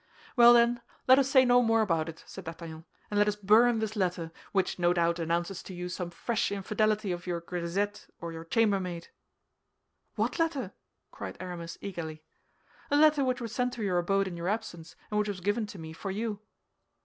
"Well, then, let us say no more about it," said D'Artagnan; "and let us burn this letter, which, no doubt, announces to you some fresh infidelity of your grisette or your chambermaid." "What letter?" cried Aramis, eagerly. "A letter which was sent to your abode in your absence, and which was given to me for you."